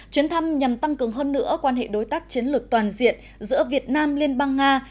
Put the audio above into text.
chuyến thăm nhằm tăng cường hơn nữa quan hệ đối tác chiến lược toàn diện giữa việt nam liên bang nga